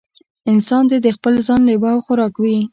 انسان دې د خپل ځان لېوه او خوراک وي.